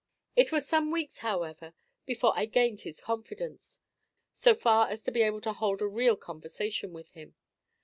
It was some weeks, however, before I gained his confidence, so far as to be able to hold a real conversation with him.